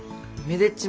めでっち